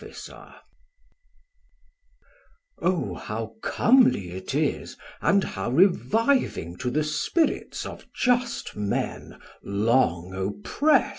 Chor: Oh how comely it is and how reviving To the Spirits of just men long opprest!